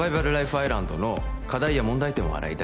アイランドの課題や問題点を洗い出し